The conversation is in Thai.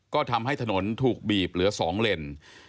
ก็ทำให้ถนนถูกบีบเหลือ๒เลน